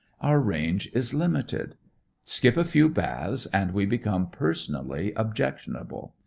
Our range is limited. Skip a few baths, and we become personally objectionable.